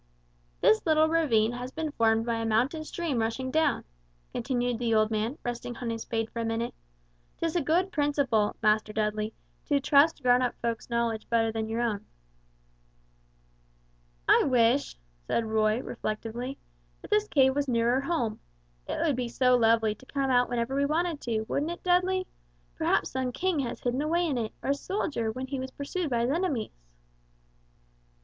"This little ravine has been formed by a mountain stream rushing down," continued the old man, resting on his spade for a minute; "'tis a good principle, Master Dudley, to trust grown up folks' knowledge better than your own." [Illustration: "Old Principle laughed at Dudley's notion."] "I wish," said Roy, reflectively, "that this cave was nearer home; it would be so lovely to come out whenever we wanted to, wouldn't it, Dudley? Perhaps some king has hidden away in it, or soldier when he was pursued by his enemies!"